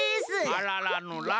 あららのら。